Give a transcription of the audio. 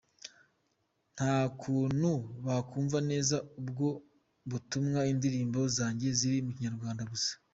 Ntakuntu bakumva neza ubwo butumwa indirimbo zanjye ziri mu Kinyarwanda gusa.